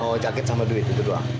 mau jaket sama duit itu doang